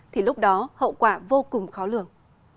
thì lúc đó hậu quả vô cùng khó lường